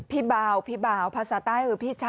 พี่บาวพี่บาวภาษาใต้คือพี่ชาย